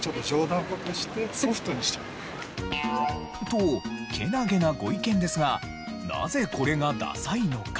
とけなげなご意見ですがなぜこれがダサいのか？